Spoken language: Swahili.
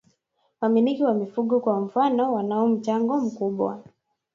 Wamiliki wa mifugo kwa mfano wanao mchango mkubwa